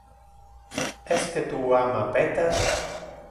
Esque tu ama Peter?